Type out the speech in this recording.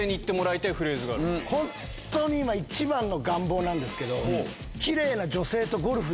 本当に今一番の願望なんですけど。